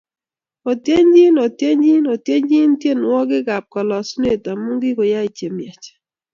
Otienchi! Otienchi! Otienchi tienwkik ab kalosunet amu kikoyai che miach!